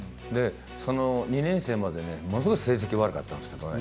２年生まで、ものすごく成績が悪かったんですけどね